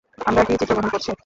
আমরা কী চিত্রগ্রহণ করছি?